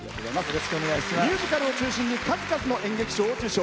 ミュージカルを中心に数々の演劇賞を受賞。